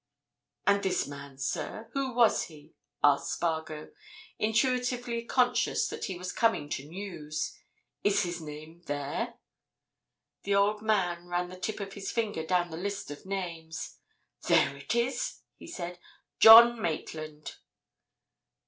"And this man, sir? Who was he?" asked Spargo, intuitively conscious that he was coming to news. "Is his name there?" The old man ran the tip of his finger down the list of names. "There it is!" he said. "John Maitland."